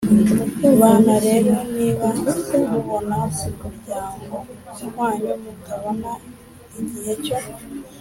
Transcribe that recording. Bana rero, niba mubona mu muryango wanyu mutabona igihe cyo